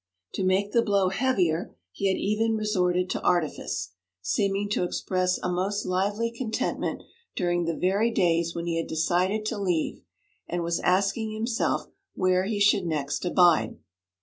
To make the blow heavier he had even resorted to artifice, seeming to express a most lively contentment during the very days when he had decided to leave and was asking himself where he should next abide.